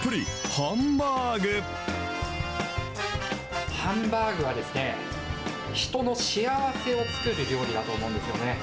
ハンバーグはですね、人の幸せを作る料理だと思うんですよね。